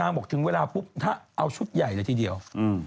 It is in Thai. บอกถึงเวลาปุ๊บถ้าเอาชุดใหญ่เลยทีเดียว